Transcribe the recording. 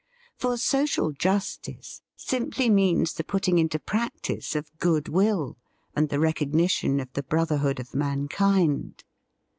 For social justice sim ply means the putting into practice of goodwill and the recognition of the brotherhood of mankind.